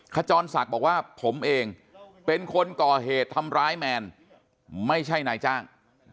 ขจรศักดิ์บอกว่าผมเองเป็นคนก่อเหตุทำร้ายแมนไม่ใช่นายจ้าง